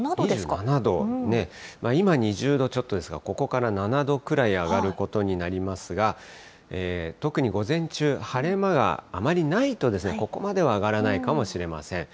２７度、今２０度ちょっとですが、ここから７度くらい上がることになりますが、特に午前中、晴れ間があまりないと、ここまでは上がらないかもしれません。